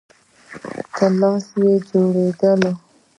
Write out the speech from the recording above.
په لاس جوړېدل.